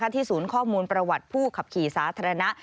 ศูนย์ข้อมูลประวัติผู้ขับขี่สาธารณะ